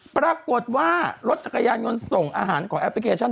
ปรากฏว่ารถจักรยานยนต์ส่งอาหารของแอปพลิเคชัน